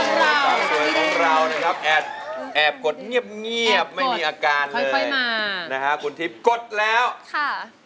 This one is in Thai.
สาวสวยของเรานะครับแอบกดเงียบไม่มีอาการเลยนะฮะคุณทิพย์กดแล้วค่ะ